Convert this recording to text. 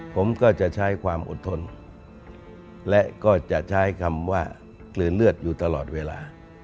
ผมก็จะใช้ความอดทนและก็จะใช้คำว่ากลืนเลือดอยู่ตลอดเวลา